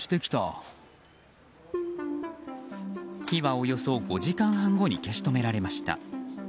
火はおよそ５時間半後に消し止められました。